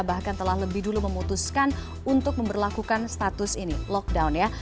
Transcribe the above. bahkan telah lebih dulu memutuskan untuk memperlakukan status ini lockdown ya